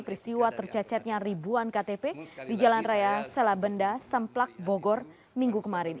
peristiwa tercecetnya ribuan ktp di jalan raya selabenda semplak bogor minggu kemarin